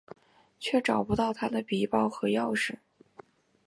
却找不到她的皮包和钥匙。